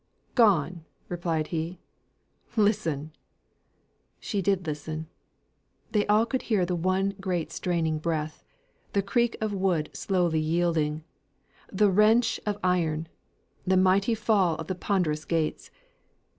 "Gone!" replied he. "Listen!" She did listen; they all could hear the one great straining breath; the creak of wood slowly yielding; the wrench of iron; the mighty fall of the ponderous gates.